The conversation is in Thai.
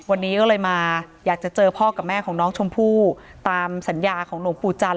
วันนี้ก็เลยมาอยากจะเจอพ่อกับแม่ของน้องชมพู่ตามสัญญาของหลวงปู่จันท